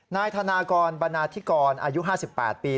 นายธนากรบรรณาธิกรอายุ๕๘ปี